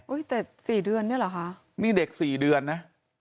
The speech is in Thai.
อุ๊ยแต่๔เดือนเนี่ยเหรอคะนี่เด็ก๔เดือนนะ